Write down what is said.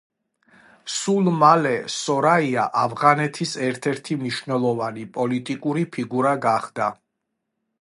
სულ მალე სორაია ავღანეთის ერთ-ერთი მნიშვნელოვანი პოლიტიკური ფიგურა გახდა.